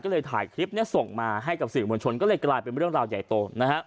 ก็เลยถ่ายคลิปนี้ส่งมาให้กับสื่อมวลชนก็เลยกลายเป็นเรื่องราวใหญ่โตนะฮะ